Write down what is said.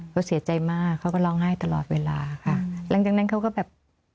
เขาเสียใจมากเขาก็ร้องไห้ตลอดเวลาค่ะหลังจากนั้นเขาก็แบบ